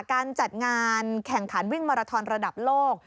การจัดงานแข่งขันวิ่งมาราทอนระดับโลก